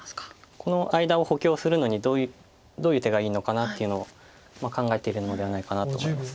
この間を補強するのにどういう手がいいのかなというのを考えているのではないかなと思います。